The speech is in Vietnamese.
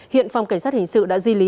hiện phòng cảnh sát hình sự đã di lý